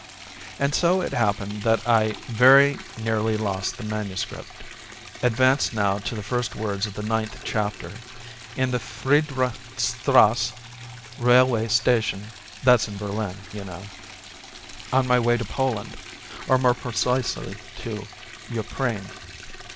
And so it happened that I very nearly lost the MS., advanced now to the first words of the ninth chapter, in the Friedrichstrasse railway station (that's in Berlin, you know), on my way to Poland, or more precisely to Ukraine.